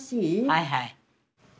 はいはい。